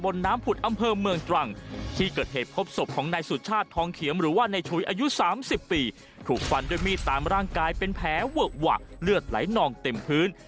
ล่าสุดท้ายเป็นแผลเวิกวะเลือดไหลนองเต็มพื้น